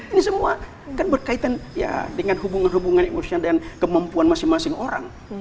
ini semua kan berkaitan ya dengan hubungan hubungan emosional dan kemampuan masing masing orang